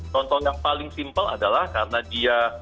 contoh yang paling simpel adalah karena dia